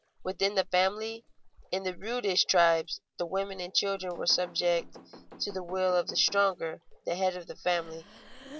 Within the family, in the rudest tribes, the women and children were subject to the will of the stronger, the head of the family.